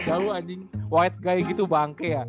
aduh anjing white guy gitu bangke ya